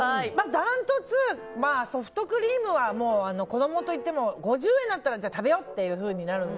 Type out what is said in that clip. ダントツ、ソフトクリームは子供と行っても５０円だったらじゃあ食べようっていうふうになるので